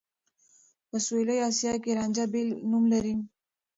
په سوېلي اسيا کې رانجه بېل نوم لري.